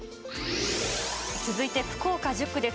続いて福岡１０区です。